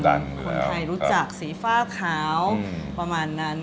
คนไทยรู้จักสีฟ้าขาวประมาณนั้น